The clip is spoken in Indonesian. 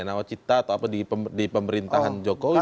nawacita atau apa di pemerintahan jokowi